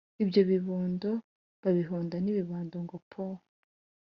Ibyo bibondo babihonda n'ibibando ngo po